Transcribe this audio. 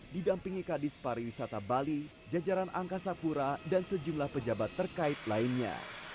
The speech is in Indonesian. didampingi kadis pariwisata bali jajaran angkasa pura dan sejumlah pejabat terkait lainnya